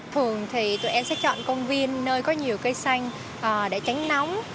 thường thì tụi em sẽ chọn công viên nơi có nhiều cây xanh để tránh nóng